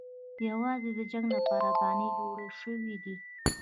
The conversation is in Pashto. یوازې د جنګ لپاره بهانې جوړې شوې دي.